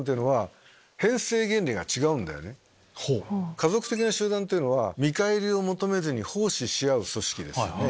家族的な集団というのは見返りを求めずに奉仕し合う組織ですよね。